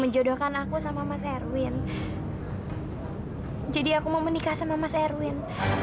jadi aku mau menikah sama mas erwin